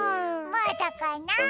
まだかな？